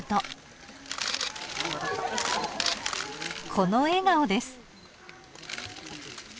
［この笑顔です］